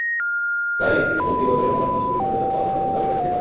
তাই এটা চলতি বছরের অনন্য ছবির মর্যাদা পাওয়ার অন্যতম দাবিদার হতেই পারে।